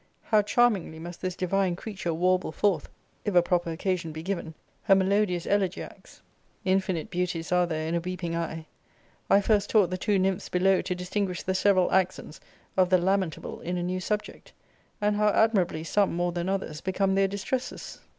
How charmingly must this divine creature warble forth (if a proper occasion be given) her melodious elegiacs! Infinite beauties are there in a weeping eye. I first taught the two nymphs below to distinguish the several accents of the lamentable in a new subject, and how admirably some, more than others, become their distresses.